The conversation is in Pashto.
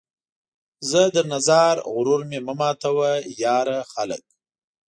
زه درنه ځار ، غرور مې مه ماتوه ، یاره ! خلک